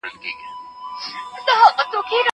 موډرن روشنفکران: له خطر سره مخامخ نسل